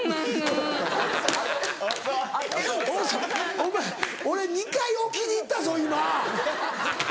お前俺２回置きに行ったぞ今！